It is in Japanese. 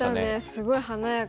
すごい華やかで。